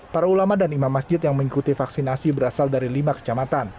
para ulama dan imam masjid yang mengikuti vaksinasi berasal dari lima kecamatan